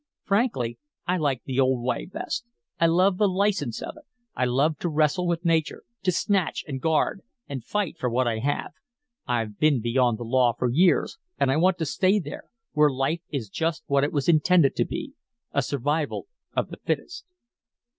Frankly, I like the old way best. I love the license of it. I love to wrestle with nature; to snatch, and guard, and fight for what I have. I've been beyond the law for years and I want to stay there, where life is just what it was intended to be a survival of the fittest."